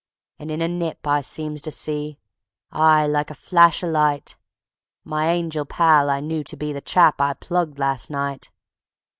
And in a nip I seemed to see: Aye, like a flash o' light, _My angel pal I knew to be The chap I plugged last night.